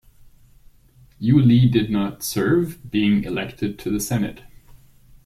Yulee did not serve, being elected to the Senate.